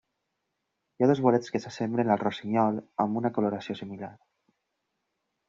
Hi ha dos bolets que s'assemblen al rossinyol amb una coloració similar.